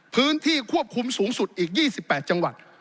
พื้นที่ควบคุมสูงสุดอีก๒๘จังหวัด